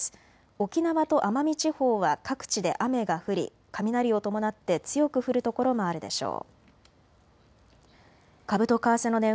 沖縄と奄美地方は各地で雨が降り雷を伴って強く降る所もあるでしょう。